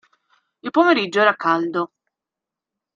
Il pomeriggio era caldo.